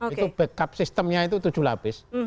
itu backup sistemnya itu tujuh lapis